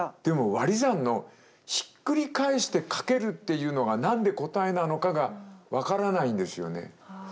でも割り算のひっくり返して掛けるっていうのが何で答えなのかが分からないんですよね。